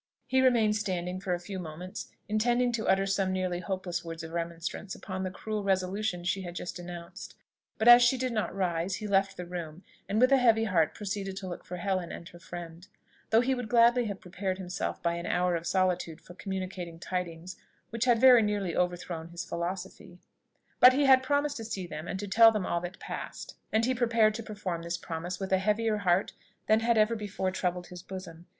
He remained standing for a few moments, intending to utter some nearly hopeless words of remonstrance upon the cruel resolution she had just announced; but as she did not rise, he left the room, and with a heavy heart proceeded to look for Helen and her friend; though he would gladly have prepared himself by an hour of solitude for communicating tidings which had very nearly overthrown his philosophy. But he had promised to see them and to tell them all that passed; and he prepared to perform this promise with a heavier heart than had ever before troubled his bosom.